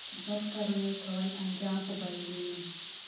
چې بد کارونه يې کول انجام خو به یې ویني